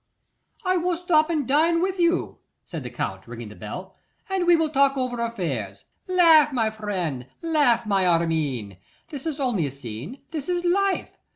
'I will stop and dine with you,' said the Count, ringing the bell, 'and we will talk over affairs. Laugh, my friend; laugh, my Armine: this is only a scene. This is life.